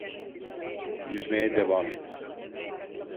Yüzmeye devam et.